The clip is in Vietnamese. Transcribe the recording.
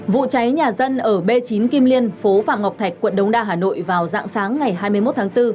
vụ cháy nhà dân ở b chín kim liên phố phạm ngọc thạch quận đống đa hà nội vào dạng sáng ngày hai mươi một tháng bốn